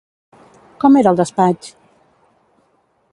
Com era el despatx?